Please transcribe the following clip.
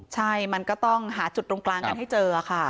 ใช่มันก็ต้องหาจุดตรงกลางกันให้เจอค่ะ